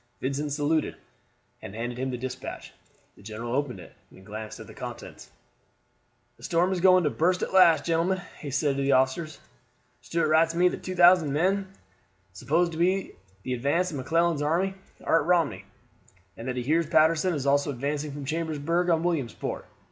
Vincent saluted, and handed him the despatch. The general opened it and glanced at the contents. "The storm is going to burst at last, gentlemen," he said to the officers. "Stuart writes me that 2,000 men, supposed to be the advance of McClellan's army, are at Romney, and that he hears Patterson is also advancing from Chambersburg on Williamsport.